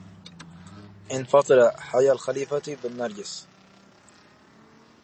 إن فطرا حيا الخليفة بالنرجس